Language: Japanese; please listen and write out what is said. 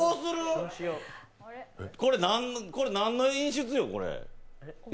これ、何の演出よ？